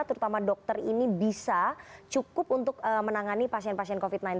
terutama dokter ini bisa cukup untuk menangani pasien pasien covid sembilan belas